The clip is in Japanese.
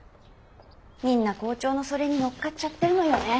みんな校長のそれに乗っかっちゃってるのよね。